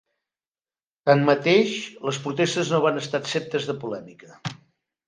Tanmateix, les protestes no van estar exemptes de polèmica.